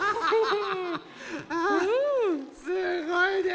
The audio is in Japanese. すごいね。